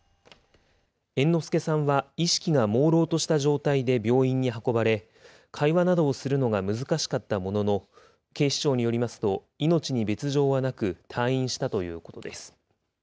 猿之助さんは意識がもうろうとした状態で病院に運ばれ、会話などをするのが難しかったものの、警視庁によりますと、命に別状はなく、退院したということです。